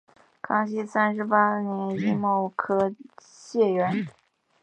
康熙三十八年己卯科解元。